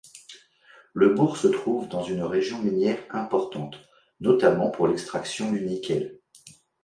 Le bourg se trouve dans une région minière importante, notamment pour l'extraction du nickel.